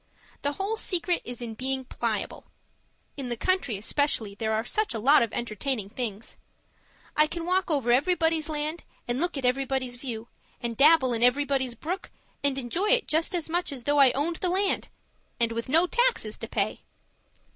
The whole secret is in being PLIABLE. In the country, especially, there are such a lot of entertaining things. I can walk over everybody's land, and look at everybody's view, and dabble in everybody's brook; and enjoy it just as much as though I owned the land and with no taxes to pay!